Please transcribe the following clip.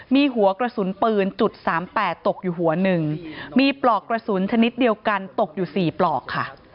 มีหัวกระสุนปืนจุดสามแปดตกอยู่หัวหนึ่งมีปลอกกระสุนชนิดเดียวกันตกอยู่๔ปลอกค่ะ